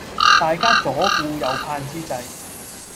大家左顧右盼之際